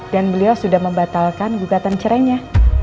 dan beliau sudah membatalkan gugatan cerainya